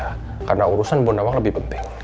bukan hanya soal bu nawang lebih penting